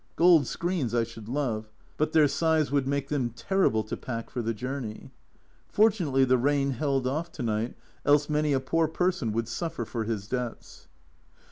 Gold screens I should love but their size would make them terrible to pack for the journey. Fortunately the rain held off to night, else many a poor person would suffer for his debts